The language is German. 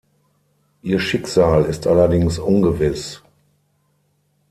Ihr Schicksal ist allerdings ungewiss.